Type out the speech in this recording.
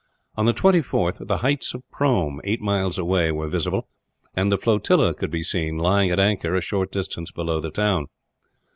On the 24th the heights of Prome, eight miles away, were visible; and the flotilla could be seen, lying at anchor a short distance below the town.